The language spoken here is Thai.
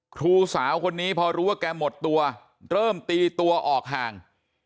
ครูสาวคนนี้พอรู้ว่าแกหมดตัวเริ่มตีตัวออกห่าง